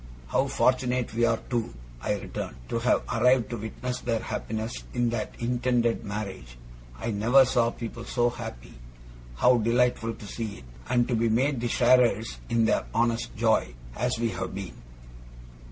'How fortunate we are, too,' I returned, 'to have arrived to witness their happiness in that intended marriage! I never saw people so happy. How delightful to see it, and to be made the sharers in their honest joy, as we have been!